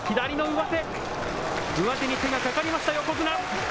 上手に手がかかりました横綱。